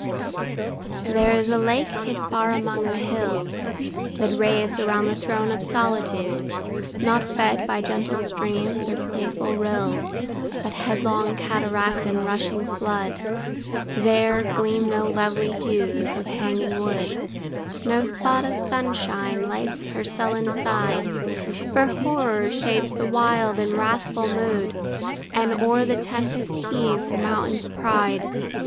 There is a lake hid far among the hills, That raves around the throne of solitude, Not fed by gentle streams, or playful rills, But headlong cataract and rushing flood. There, gleam no lovely hues of hanging wood, No spot of sunshine lights her sullen side; For horror shaped the wild in wrathful mood, And o'er the tempest heaved the mountain's pride.